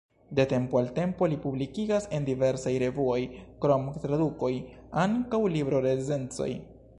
De tempo al tempo li publikigas en diversaj revuoj, krom tradukoj, ankaŭ libro-recenzojn.